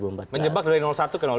menjebak dari satu ke dua